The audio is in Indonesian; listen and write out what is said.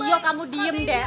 dio kamu diem deh